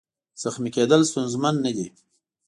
زخمي کېدل ستونزمن نه دي.